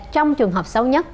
trong trường hợp xấu nhất